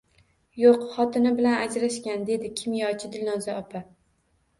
— Yo’q. Xotini bilan ajrashgan, — dedi kimyochi Dilnoza opa.